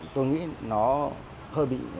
tôi nghĩ nó hơi bị